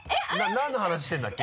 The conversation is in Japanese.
何の話してるんだっけ？